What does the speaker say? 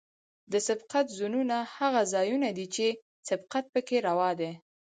د سبقت زونونه هغه ځایونه دي چې سبقت پکې روا دی